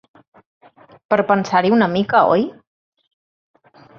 Per pensar-hi una mica, oi?